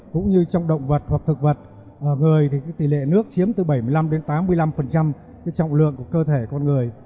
cũng như trong động vật hoặc thực vật người thì tỷ lệ nước chiếm từ bảy mươi năm đến tám mươi năm trọng lượng của cơ thể con người